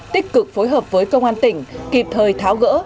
tích cực phối hợp với công an tỉnh kịp thời tháo gỡ